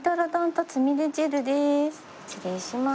失礼します。